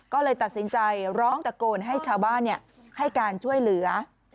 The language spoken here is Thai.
ก็เลยตัดสินใจร้องตะโกนให้ชาวบ้านให้การช่วยเหลือ